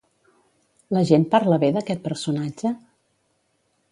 La gent parla bé d'aquest personatge?